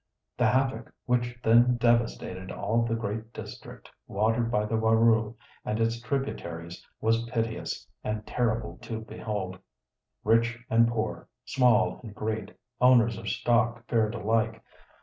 The havoc which then devastated all the great district watered by the Warroo and its tributaries was piteous, and terrible to behold. Rich and poor, small and great, owners of stock fared alike.